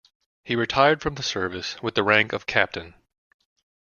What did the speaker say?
He retired from the service with the rank of captain.